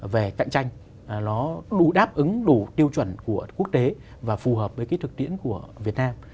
về cạnh tranh nó đủ đáp ứng đủ tiêu chuẩn của quốc tế và phù hợp với cái thực tiễn của việt nam